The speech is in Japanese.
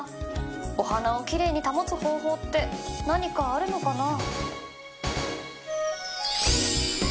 お花を奇麗に保つ方法って何かあるのかな？